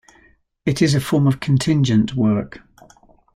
It is a form of contingent work.